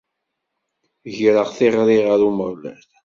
Greɣ tiɣri ɣer Umeɣlal.